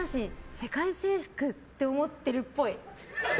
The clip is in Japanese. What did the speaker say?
世界征服って思ってるっぽい。